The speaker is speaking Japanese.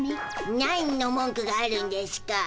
なんの文句があるんでしゅか。